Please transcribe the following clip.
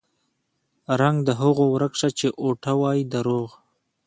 رنګ د هغو ورک شه چې اوټه وايي دروغ